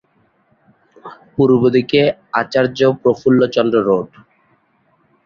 পূর্ব দিকে আচার্য প্রফুল্লচন্দ্র রোড।